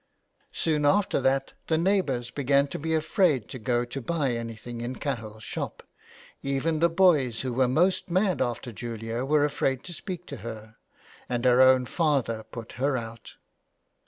Soon after that the neighbours began to be afraid to go to buy anything in CahilPs shop; even the boys who were most mad after Julia were afraid to speak to her, and her own father put her out.